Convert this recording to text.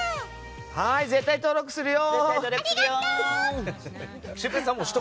絶対登録するよ！